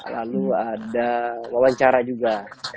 lalu ada wawancara juga